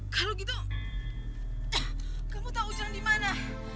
kalau gitu kamu tau ujang dimana